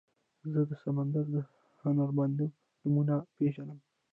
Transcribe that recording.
زه د سندرو د هنرمندانو نومونه پیژنم.